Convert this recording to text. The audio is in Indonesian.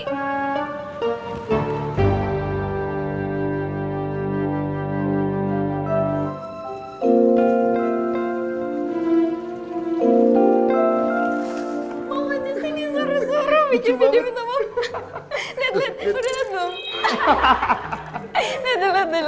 kok lo disini suruh suruh bikin video gitu